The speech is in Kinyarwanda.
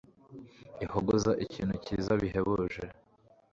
ihogoza ikintu kiza bihebuje